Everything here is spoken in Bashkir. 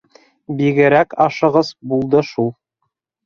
Бигерәк ашығыс булды шул.